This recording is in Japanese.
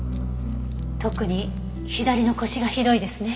特に左の腰がひどいですね。